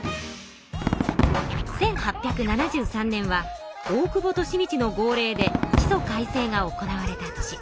１８７３年は大久保利通の号令で地租改正が行われた年。